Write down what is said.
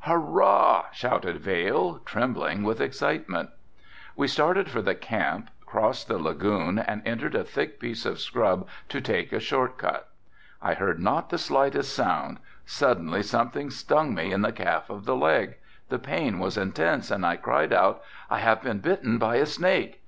"Hurrah!" shouted Vail trembling with excitement. We started for the camp, crossed the lagoon and entered a thick piece of scrub to take a short cut. I heard not the slightest sound, suddenly something stung me in the calf of the leg, the pain was intense and I cried out, "I have been bitten by a snake."